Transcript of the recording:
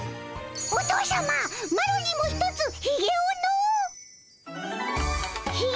お父さまマロにもひとつひげをの！